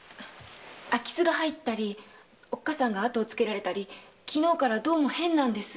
空き巣が入ったり母が後をつけられたり昨日からどうも変なんです。